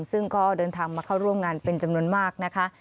ซึ่งก็เดินทางมาเข้าร่วมงานเป็นจำนวนมากนะคะ